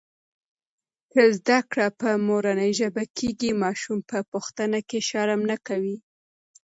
که زده کړه په مورنۍ ژبه کېږي، ماشوم په پوښتنه کې شرم نه کوي.